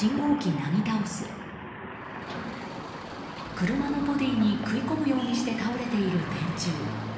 車のボディーに食い込むようにして倒れている電柱。